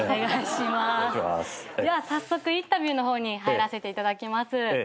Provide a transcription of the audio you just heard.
では早速インタビューの方に入らせていただきます。